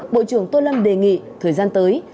bộ trưởng tô lâm đề nghị thời gian tới